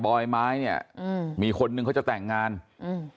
อยไม้เนี้ยอืมมีคนนึงเขาจะแต่งงานอืม